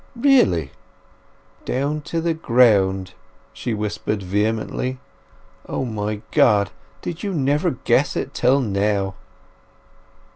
"Really!" "Down to the ground!" she whispered vehemently. "O my God! did you never guess it till now!"